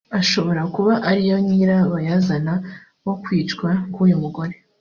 ashobora kuba ariyo nyirabayazana wo kwicwa k’uyu mugore